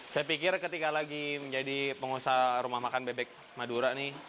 saya pikir ketika lagi menjadi pengusaha rumah makan bebek madura nih